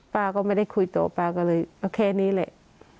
ป้าก็ไม่ได้คุยตัวป้าก็เลยแค่นี้เลย